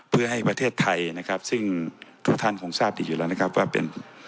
เพื่อให้ประเทศไทยนะครับซึ่งทุกท่านคงทราบดีอยู่แล้วนะครับว่าเป็น